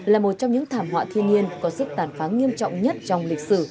là một trong những thảm họa thiên nhiên có sức tàn phá nghiêm trọng nhất trong lịch sử